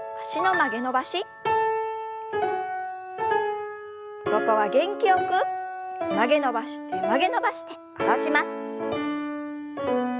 曲げ伸ばして曲げ伸ばして下ろします。